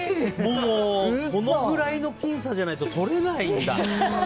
もうこのくらいの僅差じゃないととれないんだ。